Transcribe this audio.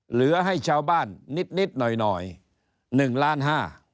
เหลือให้ชาวบ้านนิดหน่อย๑๕๐๐๐บาท